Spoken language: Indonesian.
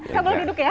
kamu boleh duduk ya